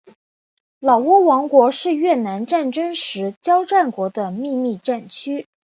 老挝王国是越南战争时交战国的秘密战区。